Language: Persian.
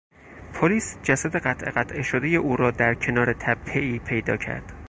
پلیس جسد قطعه قطعه شدهی او را در کنار تپهای پیدا کرد.